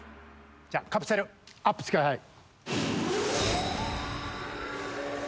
じゃあカプセルアップしてください。